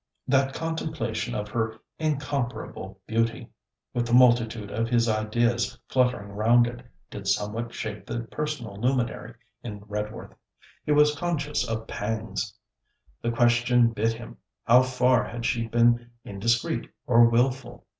That contemplation of her incomparable beauty, with the multitude of his ideas fluttering round it, did somewhat shake the personal luminary in Redworth. He was conscious of pangs. The question bit him: How far had she been indiscreet or wilful?